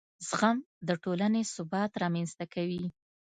زغم د ټولنې ثبات رامنځته کوي.